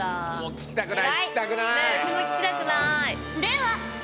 聞きたくない。